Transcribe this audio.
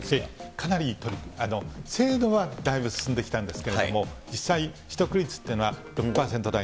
かなり制度はだいぶ進んできたんですけれども、実際取得率っていうのは６％台。